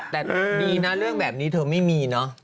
แต่ดีนะเรื่องแบบนี้เธอไม่มีเนอะ